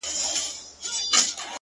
زلفي يې زما پر سر سايه جوړوي.